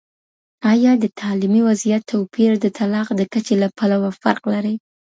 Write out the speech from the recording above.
آیا د تعلیمي وضعیت توپیر د طلاق د کچي له پلوه فرق لري؟